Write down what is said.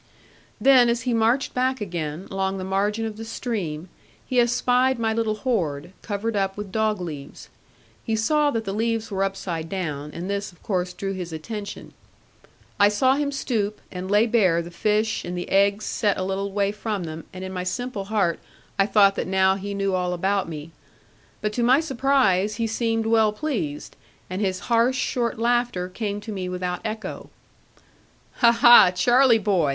Then as he marched back again, along the margin of the stream, he espied my little hoard, covered up with dog leaves. He saw that the leaves were upside down, and this of course drew his attention. I saw him stoop, and lay bare the fish, and the eggs set a little way from them and in my simple heart, I thought that now he knew all about me. But to my surprise, he seemed well pleased; and his harsh short laughter came to me without echo, 'Ha, ha! Charlie boy!